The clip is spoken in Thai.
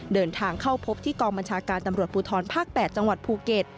เดินทางเข้าพบที่กองบัญชาการตำรวจภูทรภาค๘จังหวัดภูเก็ต